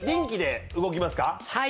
はい。